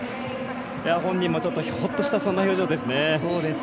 本人もちょっとほっとしたそんな表情ですね。